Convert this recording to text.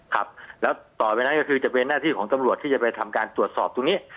ครับแล้วต่อไปนั้นก็คือจะเป็นหน้าที่ของตำรวจที่จะไปทำการตรวจสอบตรงนี้